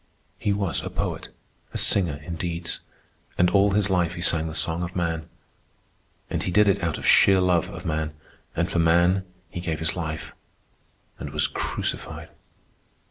He was a poet. A singer in deeds. And all his life he sang the song of man. And he did it out of sheer love of man, and for man he gave his life and was crucified.